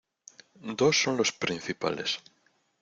Dos son los principales.